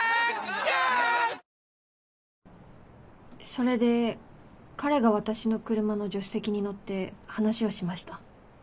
それで彼が私の車の助手席に乗って話をしました。